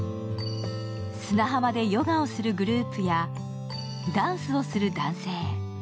砂浜でヨガをするグループやダンスをする男性。